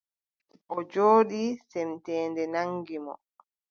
O jooɗi, semteende naŋgi mo.